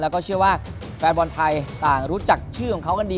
แล้วก็เชื่อว่าแฟนบอลไทยต่างรู้จักชื่อของเขากันดี